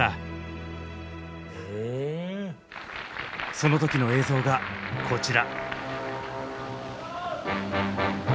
その時の映像がこちら！